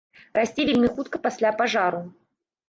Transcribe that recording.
Расце вельмі хутка пасля пажару.